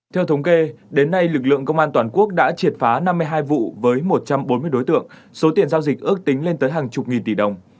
theo thống kê đến nay lực lượng công an toàn quốc đã triệt phá năm mươi hai vụ với một trăm bốn mươi đối tượng số tiền giao dịch ước tính lên tới hàng chục nghìn tỷ đồng